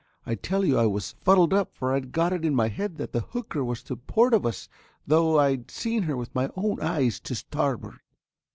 I tell you I was fuddled up for I'd got it in my head that the hooker was to port of us though I'd seen her with my own eyes to starboard.